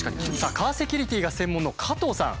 カーセキュリティーが専門の加藤さん。